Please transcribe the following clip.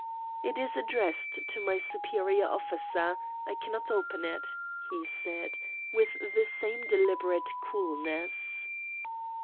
"It is addressed to my superior officer, I cannot open it," he said, with the same deliberate coolness.